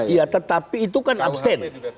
ya tetapi itu kan abstain